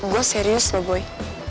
gua serius loh boy